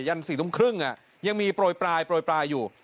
ยันที่๔๕ยังมีโปร่ยปลายอยู่